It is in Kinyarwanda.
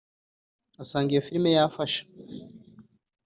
asanga iyo film yafasha